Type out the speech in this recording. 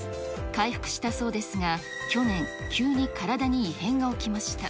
回復したそうですが、去年、急に体に異変が起きました。